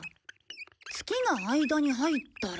月が間に入ったら。